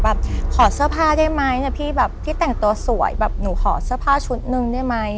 แบบขอเสื้อผ้าได้ไหมนะพี่แบบพี่แต่งตัวสวยแบบหนูขอเสื้อผ้าชุดหนึ่งได้ไหม